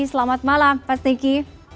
selamat malam mas niki